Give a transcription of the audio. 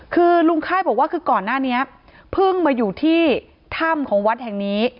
คือลุงค่ายบอกว่าคือก่อนหน้านี้เพิ่งมาอยู่ที่ถ้ำของวัดแห่งนี้